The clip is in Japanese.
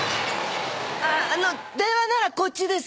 あの電話ならこっちです。